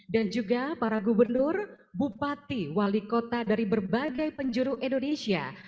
dan juga para gubernur bupati wali kota dari berbagai penjuru indonesia